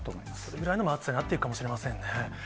それぐらいの暑さになっていくかもしれませんね。